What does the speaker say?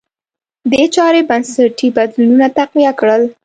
دې چارې بنسټي بدلونونه تقویه کړل.